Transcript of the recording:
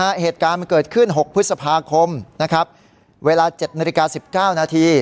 เหตุการณ์มันเกิดขึ้นหกพฤษภาคมนะครับเวลาเจ็ดนาฬิกาสิบเก้านาที